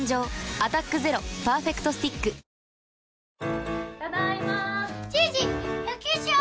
「アタックＺＥＲＯパーフェクトスティック」・ただいまじいじ野球しよ！